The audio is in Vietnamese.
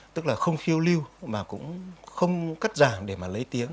tức là không khiêu lưu mà cũng không cắt giảm để mà lấy tiếng